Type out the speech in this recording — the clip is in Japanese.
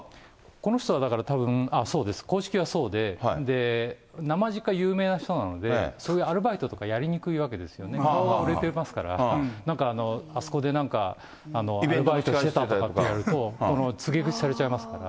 この人はたぶんそうです、公式はそうで、なまじっか有名な人なので、そういうアルバイトとかやりにくいわけですよね、顔が売れてますから、なんか、あそこでなんかアルバイトしてたとかって言われると、告げ口されちゃいますから。